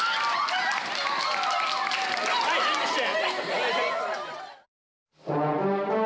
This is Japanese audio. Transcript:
はい準備して！